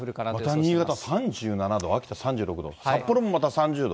また新潟３７度、秋田３６度、札幌もまた３０度。